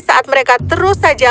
saat mereka terus saja